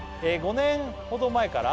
「５年ほど前から」